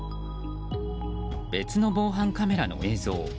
別の防犯カメラの映像。